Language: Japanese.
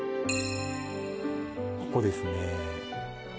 ここですね